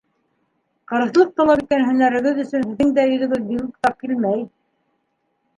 Ҡырыҫлыҡ талап иткән һәнәрегеҙ өсөн һеҙҙең дә йөҙөгөҙ бигүк тап килмәй...